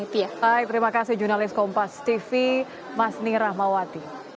baik terima kasih jurnalis kompas tv masni rahmawati